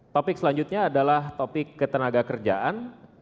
topik selanjutnya adalah topik ketenaga kerjaan